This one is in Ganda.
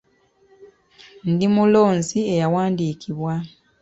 Ndi mulonzi eyawandiikibwa.